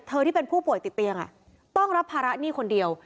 ที่เป็นผู้ป่วยติดเตียงต้องรับภาระหนี้คนเดียว